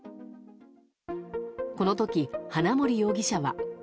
この時、花森容疑者は。